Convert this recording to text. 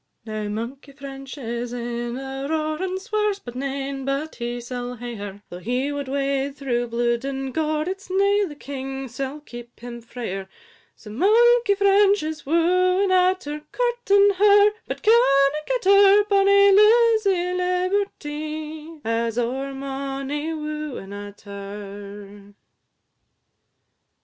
VIII. Now Monkey French is in a roar, And swears that nane but he sall hae her, Though he sud wade through bluid and gore, It 's nae the king sall keep him frae her: So Monkey French is wooing at her, Courting her, but canna get her; Bonny Lizzy Liberty has ow'r mony wooing at her.